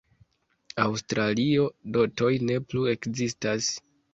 Aŭstralio, dotoj ne plu ekzistas.